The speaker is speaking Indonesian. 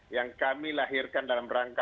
yang kami lahirkan dalam rangka